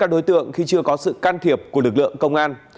các đối tượng khi chưa có sự can thiệp của lực lượng công an